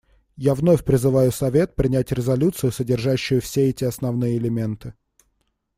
Я вновь призываю Совет принять резолюцию, содержащую все эти основные элементы.